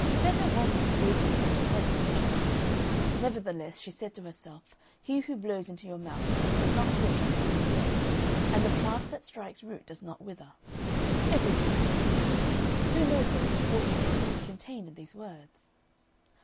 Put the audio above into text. Betta wondered greatly at this present of chaff, nevertheless she said to herself, "He who blows into your mouth does not wish to see you dead, and the plant that strikes root does not wither; everything has its use; who knows what good fortune may be contained in these words?"